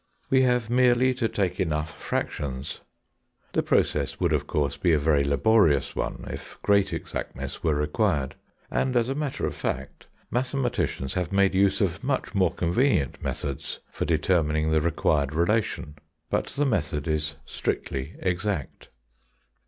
We have merely to take enough fractions. The process would, of course, be a very laborious one, if great exactness were required, and as a matter of fact mathematicians have made use of much more convenient methods for determining the required relation: but the method is strictly exact.